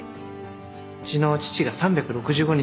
うちの父が３６５日